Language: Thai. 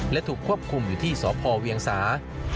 และถูกควบคุมอยู่ที่สพเวียงสา